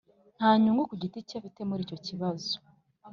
nta nyungu ku giti cye afite muri icyo kibazo